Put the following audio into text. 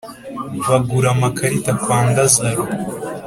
Bagura amakarita kwa Ndazaro.